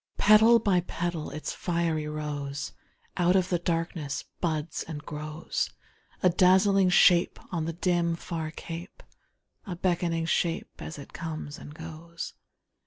Petal by petal its fiery rose Out of the darkness buds and grows; A dazzling shape on the dim, far cape, A beckoning shape as it comes and goes.